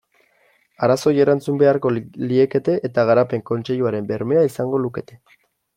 Arazoei erantzun beharko liekete eta Garapen Kontseiluaren bermea izango lukete.